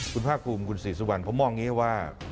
คุณภาคภูมิคุณศรีสุวรรณผมมองอย่างนี้ว่า